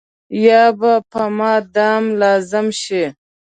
یا به په ما دم لازم شي.